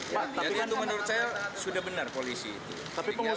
jadi itu menurut saya sudah benar polisi itu